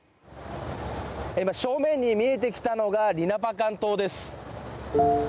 今、正面に見えてきたのがリナパカン島です。